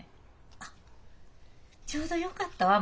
あっちょうどよかったわ。